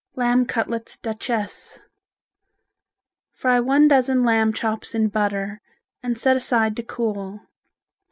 Lamb Cutlets Duchesse Fry one dozen lamb chops in butter and set aside to cool.